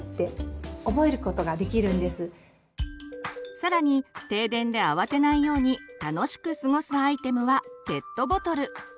更に停電で慌てないように楽しく過ごすアイテムはペットボトル！